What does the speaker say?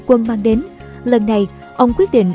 quân mang đến lần này ông quyết định